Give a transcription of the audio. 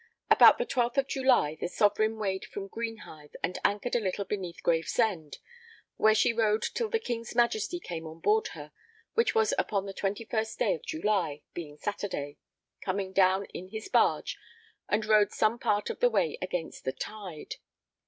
About the 12th of July, the Sovereign weighed from Greenhithe and anchored a little beneath Gravesend, where she rode till the King's Majesty came on board her, which was upon the 21st day of July, being Saturday, coming down in his barge, and rowed some part of the way against the tide.